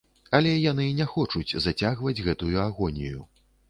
Але яны не хочуць зацягваць гэтую агонію.